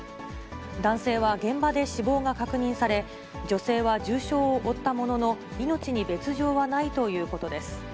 男性は現場で死亡が確認され、女性は重傷を負ったものの、命に別状はないということです。